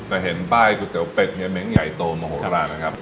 จะเห็นป้ายกูเต๋วเป็ดเฮเม้งใหญ่โตโมโหละนะครับ